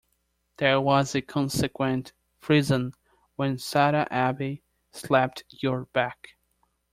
There was a consequent frisson when Sada Abe slapped your back.